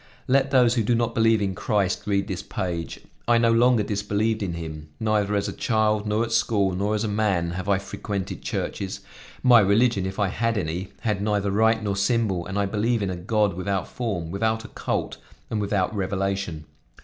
Let those who do not believe in Christ read this page; I no longer disbelieved in him. Neither as a child, nor at school, nor as a man, have I frequented churches; my religion, if I had any, had neither rite nor symbol, and I believed in a God without form, without a cult, and without revelation.